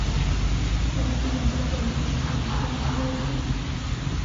Al día siguiente, la pandilla decide visitar la ciudad de Shannon.